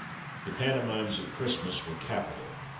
The pantomimes at Christmas were capital.